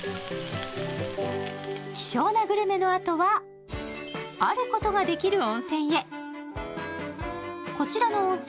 希少なグルメのあとはあることができる温泉へこちらの温泉